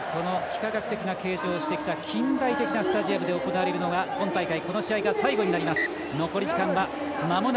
幾何学的な形状をしている近代的なスタジアムで行われるのが今大会、この試合が最後になります。